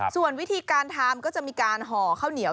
ส่วนวิธีการทำก็จะมีการห่อข้าวเหนียว